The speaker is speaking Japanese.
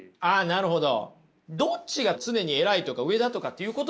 なるほど。